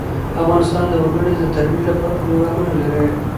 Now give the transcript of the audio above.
افغانستان د وګړي د ترویج لپاره پروګرامونه لري.